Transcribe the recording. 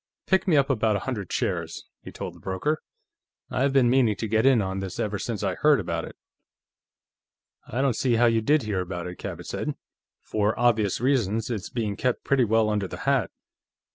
"Pick me up about a hundred shares," he told the broker. "I've been meaning to get in on this ever since I heard about it." "I don't see how you did hear about it," Cabot said. "For obvious reasons, it's being kept pretty well under the hat."